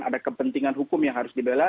ada kepentingan hukum yang harus dibela